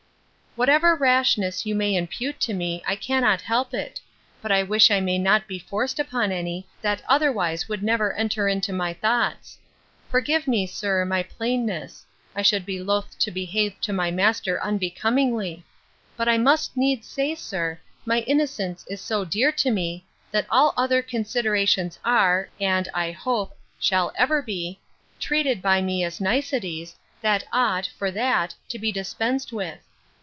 'Whatever rashness you may impute to me, I cannot help it; but I wish I may not be forced upon any, that otherwise would never enter into my thoughts. Forgive me, sir, my plainness; I should be loath to behave to my master unbecomingly; but I must needs say, sir, my innocence is so dear to me, that all other considerations are, and, I hope, shall ever be, treated by me as niceties, that ought, for that, to be dispensed with.